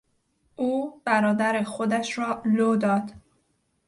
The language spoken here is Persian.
او برادر خودش را لو داد.